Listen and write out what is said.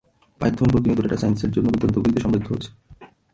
Python প্রতিনিয়ত data সাইন্সের জন্য দুর্দান্ত গতিতে সমৃদ্ধ হচ্ছে।